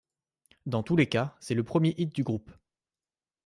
Dans tous les cas, c'est le premier hit du groupe.